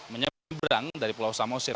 menyebrang dari pulau samosi